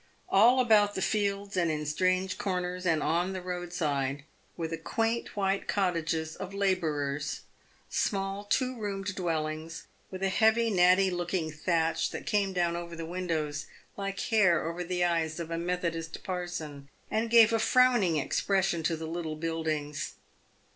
All about the fields, and in strange corners, and on the roadside, were the quaint white cot tages of labourers— small, two roomed dwellings, with a heavy, natty looking thatch that came down over the windows like hair over the eyes of a Methodist parson, and gave a frowning expression to the little buildings.